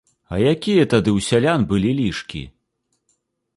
А якія тады ў сялян былі лішкі?!